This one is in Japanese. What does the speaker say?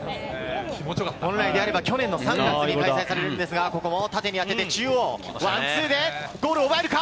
本来であれば、去年の３月に開催されたんですが、ここも縦に上げて中央、ワンツーでゴールを奪えるか。